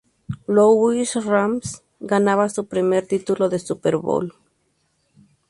Louis Rams ganaban su primer título de Super Bowl.